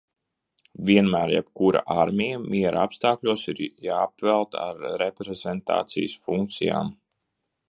Vienmēr jebkura armija miera apstākļos ir jāapvelta ar reprezentācijas funkcijām.